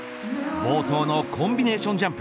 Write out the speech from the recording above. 冒頭のコンビネーションジャンプ。